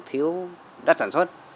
thiếu đất sản xuất